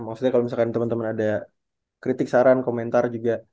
maksudnya kalau misalkan teman teman ada kritik saran komentar juga